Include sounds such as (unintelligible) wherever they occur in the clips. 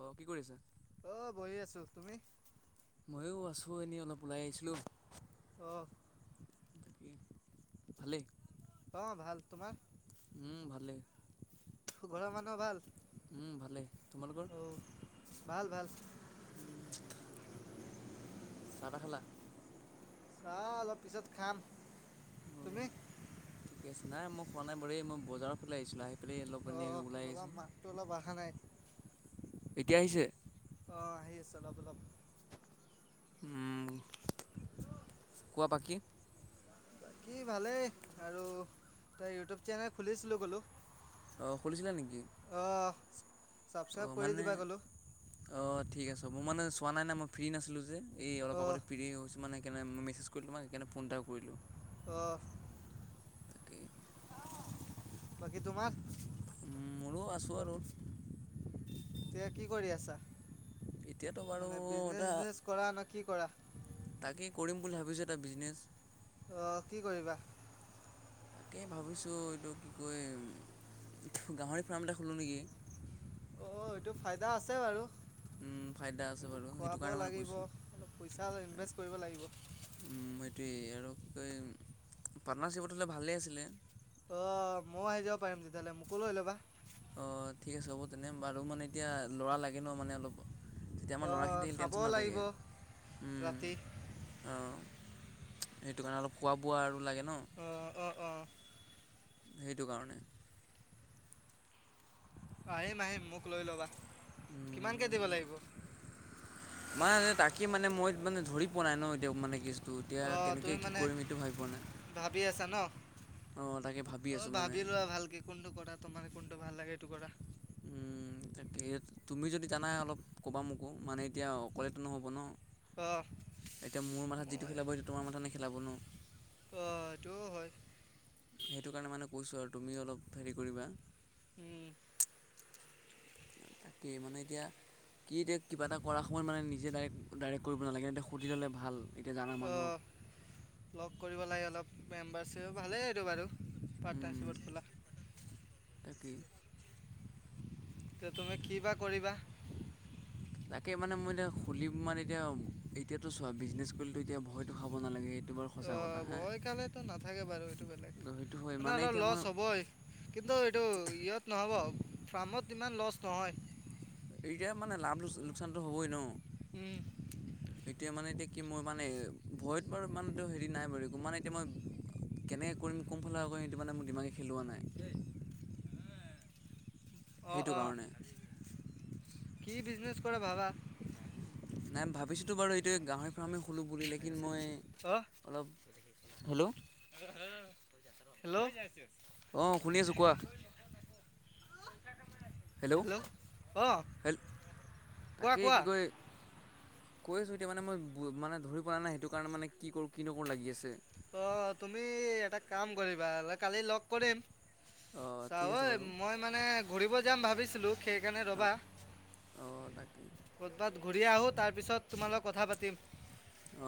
অ কি কৰি আছা? অ বহি আছো। তুমি? ময়ো আছোঁ এনেই অলপ ওলাই আহিছিলোঁ। অ' উম ভালেই। অ ভাল। তোমাৰ? উম ভালেই। তোৰ ঘৰৰ মানুহ ভাল। উম ভালেই। তোমালোকৰ? অ', ভাল ভাল। উম চাহ টা খালা। চাহ অলপ পিছত খাম। অ তুমি? ঠিকে আছে নাই মই খোৱা নাই বাৰু এই মই বজাৰৰ ফালে আহিছিলোঁ আহি। পেলাই অলপ পানি অ', ওলাই ৰ'বা আহিছোঁ। মাতটো অলপ অহা নাই এতিয়া আহিছে। অ আহি আছে অলপ অলপ। উম। কোৱা বাকী? বাকি ভালেই আৰু তেই ইউটিউব চেনেল খুলিছিলোঁ বোলোঁ। অ আহ, খুলিছিলা নেকি অ ছাবস্ক্ৰাইব কৰি মানে দিবা কলো। অ ঠিক আছে মোৰ মানে চোৱা নাই নাই মই ফ্ৰী নাছিলো যে এই অলপ অ', আগতে ফ্ৰীৰি হৈছো। মানে কেনে মেছেজ কৰিলোঁ মই সেইকাৰণে ফোন এটা কৰিলোঁ। অ' তাকে। বাকী তোমাৰ? মোৰো আছোঁ আৰু। (inaudible) এতিয়া কি কৰি আছা? এতিয়াতো বাৰু মানে, এটা বিজনেছ-চিজনেছ কৰা না কি কৰা? তাকেই কৰিম বুলি ভাবিছোঁ, এটা বিজনেছ। অ', কি কৰিবা? তাকেই ভাবিছোঁ। এইটো কি কয়, গাহৰি ফাৰ্ম এটা খোলোঁ নেকি? অ', এইটো ফাইদা, আছে বাৰু। উম', ফাইদা আছে কিন্তু বাৰু। সেইটো খুৱাব কাৰণেই, মানে, লাগিব কৈছিলোঁ। অলপ পইচা ইনভেষ্ট কৰিব লাগিব। উম এইটোৱেই, আৰু কি কয়, পাৰ্টনাৰশ্বিপত হ'লে ভালেই আছিলে। অ', ময়ো আহি যাব পাৰিম। তেতিয়াহ'লে মোকো লৈ ল'বা। অ', ঠিক আছে। হ'ব তেনে বাৰু। মানে, এতিয়া ল'ৰা লাগে ন, মানে, অলপ। তেতিয়া আমাৰ ল'ৰাখিনি অঁ থাকিলে, চাব টেনচন নাথাকে। লাগিব উম ৰাতি ' অ', সেইটো কাৰণে অলপ খোৱা-বোৱা আৰু লাগে ন! অ', অ, অ,। সেইটো, কাৰণে। আহিম, আহিম, মোক লৈ ল'বা, কিমানকে দিব লাগিব? মানে, তাকে, মানে, মই মানে ধৰি পোৱা নাই ন, এতিয়া মানে কি ত' এতিয়া অঁ কেনেকে, তুমি কি মানে কৰিম, এইটো ভাবি পোৱা নাই। ভাবি আছা ন অ', তাকে ভাবি আছো মানে। ভালকৈ কোনটো কৰা, তোমাৰ কোনটো ভাল লাগে এইটো কৰা। উম'। তাকেই তুমি যদি জানা, অলপ ক'বা মোকো, মানে, এতিয়া অকলেতো নহ'ব ন। অ'। এতিয়া মোৰ মূৰত যিটো খেলাব, সেইটো তোমাৰ মূৰতো খেলাব ন। আহ, এইটোৱেও হ'য়। সেইটো কাৰণেই, মানে, কৈছোঁ আৰু তুমি অলপ হেৰি কৰিবা। উম। তাকেই, মানে এতিয়া কি, এতিয়া কিবা এটা কৰা সময়ত মানে নিজে ডাইৰেক্ট কৰিব নালাগে, এতিয়া সুধি ল'লে ভাল। এতিয়া জানা মানুহক। অ', লগ কৰিব লাগে অলপ মেম্বাৰ হ'লে ভালেই আৰু এইটো বাৰু। পাতৰ্নাচিপত, খোলা। তাকে। তে, তুমি কি বা কৰিবা? (inaudible) তাকে, মানে মই এতিয়া খুলিম মানে, এতিয়াতো চোৱা, বিজনেছ কৰিলেতো এতিয়া ভয়তটো খাব নালাগে এইটো বাৰু সঁচা কথা অ', হা ভয় খালেতো নাথাকে বাৰু, এইটো বেলেগ, ত' সেইটো হয় মানে, অলপ এতিয়া লছ মই হ'বই। কিন্তু এইটো ইয়াত নহ'ব, ফাৰ্মত ইমান লছ নহয়। এতিয়া মানে লাভ, লোকচানতো হ'বই ন। উম'। এতিয়া, মানে কি মোৰ মানে, ভয়তো ইমানতো হেৰি নাই বাৰু, এতিয়া মানে, এতিয়া মই কেনেকৈ কৰিম, কোনফালৰ কৰিম, সেইটো মানে মোৰ দিমাগত খেলোৱা নাই। উম। অ', সেইটো অ'। কাৰণে। কি বিজনেছ কৰে, ভাবা। (inaudible) নাই, ভাবিছোঁতো বাৰু এইটোকয়ে গাহৰি ফাৰ্ম খোলোঁ বুলি লেকিন মই, অ' অলপ, হেল্ল হেল্ল'। অ', শুনিছোঁ কোৱা। হেল্ল', অ' হেল কোৱা তাকে কোৱা। কি কয় কৈ আছোঁ, এতিয়া মানে মই ধৰি পোৱা নাই, সেইটো কাৰণেই মানে, কি কৰোঁ, কি নকৰোঁ, লাগি আছে। অ', তুমি এটা কাম কৰিবা, কালি লগ কৰিম। অঁ ঠিক আছে চাৱঐ বাৰু মই মানে ঘূৰিব যাম ভাবিছিলো, সেইকাৰণে ৰবা। অ', তাকে। ক'ৰবাত ঘূৰি আহোঁ, তাৰপিছত তোমাৰ লগত কথা পাতিম।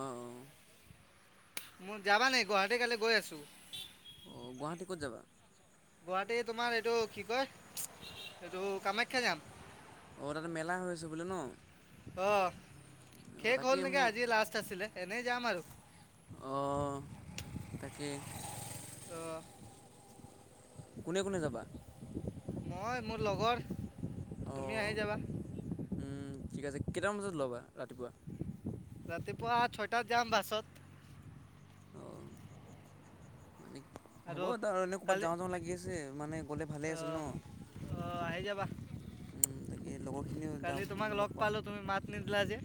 অ', অ'। মই যাবা নেকি, গুৱাহাটী কালি গৈ আঁছো। অ', গুৱাহাটী ক'ত যাবা? গুৱাহাটী তোমাৰ এইটো কি কয়, এইটো কামাখ্যা যাম। অ', তাতে মেলা হৈ আছে বোলে ন। অঁ অঁ শেষ হ'ল তাকেই নেকি, মোৰ আজি লাষ্ট আছিলে। এনেই যাম আৰু অঁ তাকে অহ কোনে কোনে যাবা? মই, মোৰ লগৰ তুমি আহি যাবা। উম, ঠিক আছে, কেইটামান বজাত ওল'বা ৰাতিপুৱা? (unintelligible) ৰাতিপুৱা ছয়টাত যাম বাছত। অঁ মানে হ'ব আৰু তাৰ এনেও ক'ৰবাত কালি যাওঁ যাওঁ লাগি আছে। মানে গ'লে ভালেই আছিল ন'? অ' আহি যাবা। তাকে লগৰ খিনিও কালি যাম, তোমাক লগ পাওঁ। পালোঁ তুমি মাত নিদিলা যে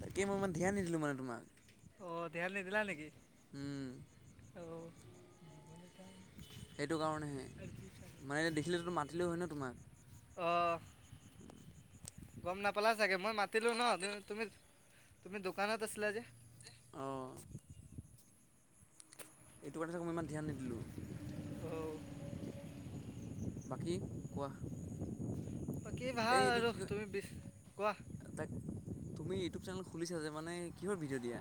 তাকেই মই ইমান ধ্যান নিদিলো মানে তোমাক। অ' ধ্যান নিদিলা নেকি? উম। অ' যাবলে পাম সেইটো কাৰণেহে মানে দেখিলো তো মাতিলেও হয় ন' তোমাক। অ' গ'ম নাপালা চাগে, মই মাতিলো ন' তুমি তুমি দোকানত আছিলা যে। অ' এইটো কাৰণে চাগে মই ইমান ধ্যান নিদিলোঁ। অ' বাকী কোৱা? বাকী এই ভাল এটো আৰু কি কয়, তুমি বিচ কোৱা এই তা তুমি ইউটিউব চেনেল খুলিছা যে, মানে কিহৰ ভিডিঅ' দিয়া?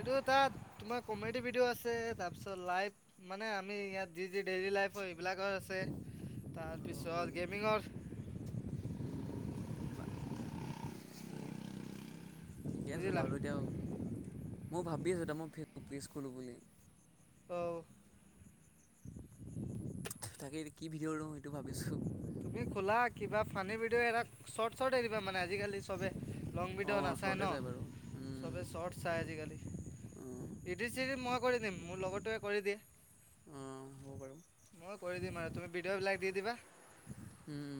এইটো তাত তোমাৰ কমেডি ভিডিঅ' আছে, তাৰপিছত লাইভ মানে আমি ইয়াত যি যি ডেইলী লাইফৰ সেইবিলাকৰ আছে, তাৰপিছত গেমিঙৰ (unintelligible) উম বা তাকে ঠিকে আছে বুজিলা বাৰু দিয়ক, ময় ভাবি আছোঁ এতিয়া মই ফেচবুক পেচ খোলোঁ বুলি। অ' তাকে এটো কি ভিদিওঁ লওঁ সেইটো ভাবিছো। তুমি খোলা কিবা ফানী ভিডিঅ' এটা, শৰ্ট শৰ্ট এই দিবা মানে আজিকালি চবে লং ভডিঅ' অঁ নাচায় শ্বৰ্টে ন'? চাই বাৰু চবে চৰ্ট চায় আজিকালি। ইদিট চিদিট মই কৰি দিম, মোৰ লগটোৱে কৰি দিয়ে। অঁ অঁ হ'ব বাৰু মই কৰি দিম আৰু তুমি ভিডিঅ' বিলাক দি দিবা। হুম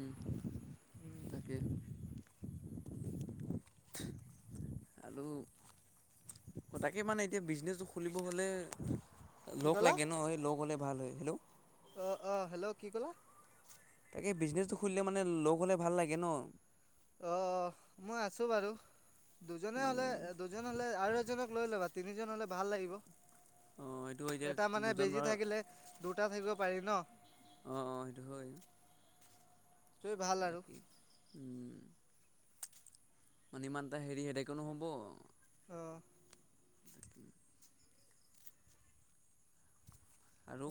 তাকে (unintelligible) খোলো, অঁ তাকে মানে এতিয়া বিজনেচটো খুলিব হ'লে কি লক ক'লা লাগে ন' এই ল'গ হ'লে ভাল হয়। হেল্ল' অ' অ' হেল্ল' কি ক'লা? তাকেই বিজনেছটো খুলিলে মানে ল'গ হ'লে ভাল লাগে ন'? অ' মই আছো বাৰু দুজনে হ'লে এই দুজন হ'লে আৰু এজনক লৈ ল'বা। তিনিজন হ'লে ভাল লাগিব। অঁ সেইটো এতিয়া এটা মানে দুজন বেজি বাৰ থাকিলে দুটা থাকিব পাৰি ন'? অঁ অঁ সেইটো হয়। অই, ভাল আৰু উম মানে ইমান এটা হেৰি হেদেকো, নহ'ব অ, (inaudible)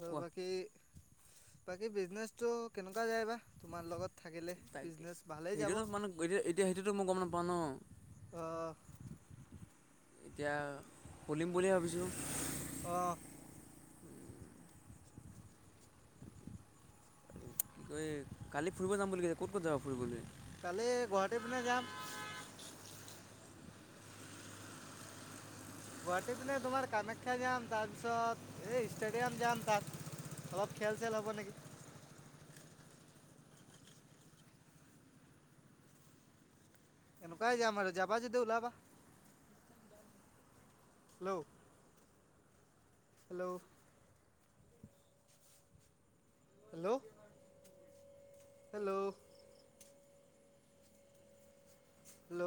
আৰু বাকী, বাকী বিজনেছটো কেনেকুৱা যায় বা তোমাৰ লগত থাকিলে। তাকে বিজনেচ ভালেই যাব। সেইটোতো মানে এতিয়া, সেইটোতো মই গম নাপাওঁ ন অ, এতিয়া, কুলিম বুলি ভাবিছোঁ। অ, কি, ক কালি ফুৰিব যামলগীয়াছে ক'ত ক'ত যাবা ফুৰিবলৈ? কালি, গুৱাহাটী পিনে যাম। গুৱাহাটী পিনে তোমাৰ কামাখ্যা যাম। তাৰপিছত এই ষ্টেডিয়াম যাম তাত অলপ খেল-চেল হ'ব নেকি? এনেকোৱাই যাম আৰু যাবা যদি ওলাবা। Hello, hello, hello, hello, hello,